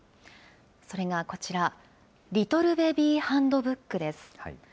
それがこちら、リトルベビーハンドブックです。